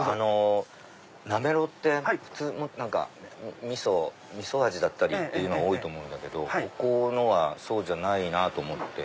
なめろうって普通味噌味だったりっていうのが多いと思うんだけどここのはそうじゃないなと思って。